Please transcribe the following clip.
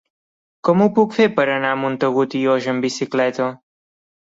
Com ho puc fer per anar a Montagut i Oix amb bicicleta?